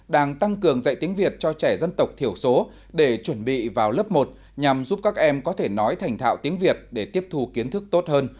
đang tăng cường dạy tiếng việt cho trẻ dân tộc thiểu số để chuẩn bị vào lớp một nhằm giúp các em có thể nói thành thạo tiếng việt để tiếp thù kiến thức tốt hơn